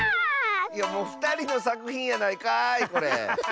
おふたりのさくひんやないかいこれ。